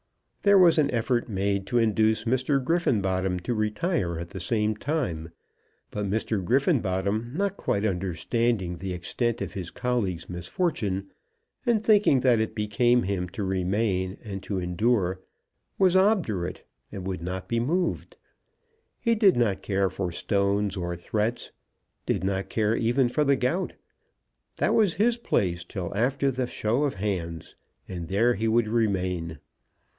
There was an effort made to induce Mr. Griffenbottom to retire at the same time; but Mr. Griffenbottom, not quite understanding the extent of his colleague's misfortune, and thinking that it became him to remain and to endure, was obdurate, and would not be moved. He did not care for stones or threats, did not care even for the gout. That was his place till after the show of hands, and there he would remain.